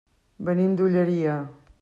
Venim de l'Olleria.